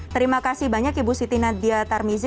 terima kasih banyak ibu siti nadia tarmizi